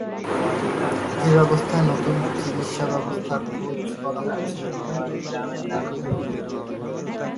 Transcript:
এ ব্যবস্থায় নতুন চিকিৎসা ব্যবস্থার খোঁজ করা হচ্ছে।